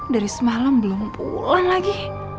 dari semalam belum pulang lagi